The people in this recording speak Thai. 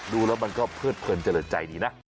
ดูแล้วมันก็เพิดเพลินเจริญใจดีนะ